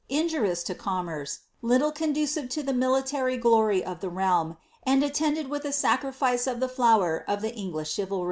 injarious lo commerce, lilllt conducive [o the military glxry of the realm, aod atlenileU wiili a aeii lice of the flower of ilie English chivalr)'.